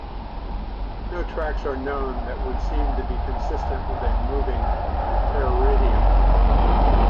No tracks are known that would seem to be consistent with a moving "Pteridinium".